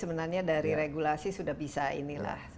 ini kan kendala dari regulasi sudah bisa ini lah